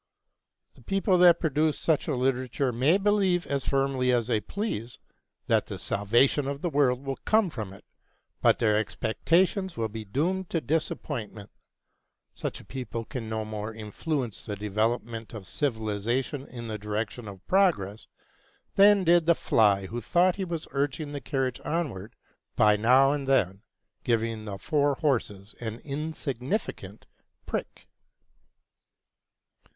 The people that produce such a literature may believe as firmly as they please that the salvation of the world will come from it, but their expectations will be doomed to disappointment; such a people can no more influence the development of civilization in the direction of progress than did the fly who thought he was urging the carriage onward by now and then giving the four horses an insignificant prick.